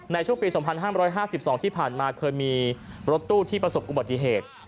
ในช่วงปี๒๕๕๒ที่ผ่านมาเคยมีรถตู้ที่ประสบอุบัติเหตุ